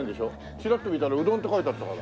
チラッと見たら「うどん」って書いてあったから。